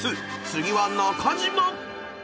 次は中島］